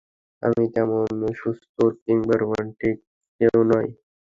আমি তেমন সুচতুর কিংবা রোমান্টিক কেউ নই!